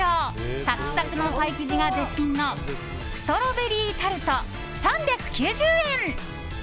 サックサクのパイ生地が絶品のストロベリータルト、３９０円。